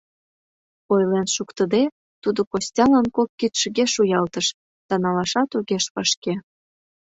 Ойлен шуктыде, тудо Костялан кок кидшыге шуялтыш да налашат огеш вашке.